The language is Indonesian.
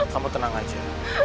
kamu tenang aja